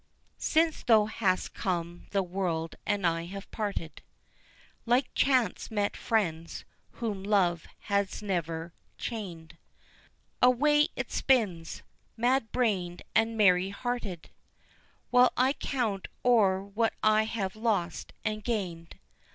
Since thou hast come the world and I have parted, Like chance met friends whom love has never chained, Away it spins, mad brained and merry hearted, While I count o'er what I have lost and gained.